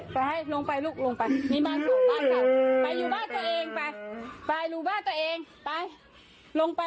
ไปให้ลงไปลูกลงไปมีบ้านอยู่บ้านกลับไปอยู่บ้านตัวเองไปไปรูบ้านตัวเองไปลงไป